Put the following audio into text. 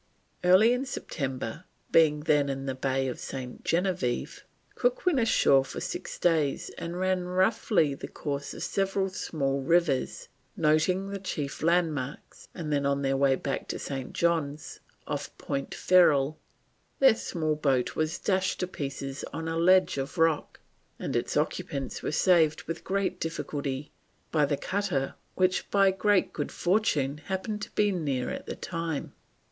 Early in September, being then in the Bay of St. Genevieve, Cook went ashore for six days and ran roughly the course of several small rivers, noting the chief landmarks, and then on their way back to St. John's, off Point Ferrol, their small boat was dashed to pieces on a ledge of rock, and its occupants were saved with great difficulty by the cutter which by great good fortune happened to be near at the time.